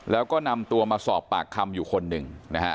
แล้วก็นำตัวมาสอบปากคำอยู่คนหนึ่งนะฮะ